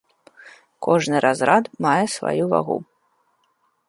Кожны разрад мае сваю вагу.